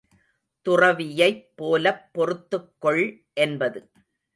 துறவியைப் போலப் பொறுத்துக் கொள் என்பது.